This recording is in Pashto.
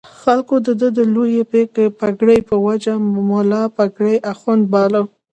خلکو د ده د لویې پګړۍ په وجه ملا پګړۍ اخُند باله.